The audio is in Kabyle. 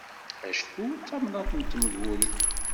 Acku d tamnaḍt n temguri.